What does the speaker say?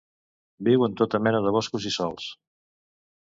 Viu en tota mena de boscos i sòls.